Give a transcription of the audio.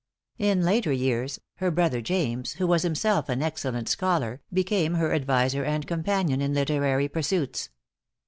In later years, her brother James, who was himself an excellent scholar, became her adviser and companion in literary pursuits.